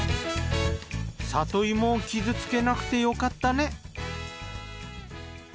里芋を傷つけなくてよかったね。